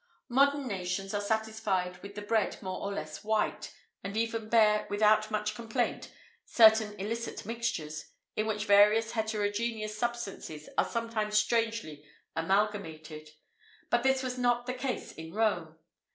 Modern nations are satisfied with the bread more or less white, and even bear, without much complaint, certain illicit mixtures, in which various heterogeneous substances are sometimes strangely amalgamated; but this was not the case in Rome.